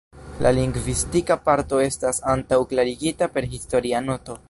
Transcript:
La lingvistika parto estas antaŭklarigita per historia noto.